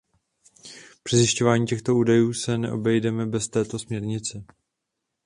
Při zjišťování těchto údajů se neobejdeme bez této směrnice.